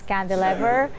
dan skandal lever